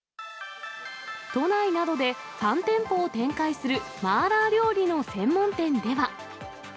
都内などで３店舗を展開する麻辣料理の専門店では。